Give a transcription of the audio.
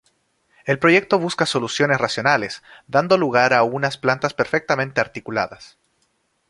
El proyecto busca soluciones racionales, dando lugar a unas plantas perfectamente articuladas.